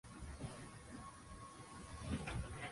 Naogopa mbwa mkubwa.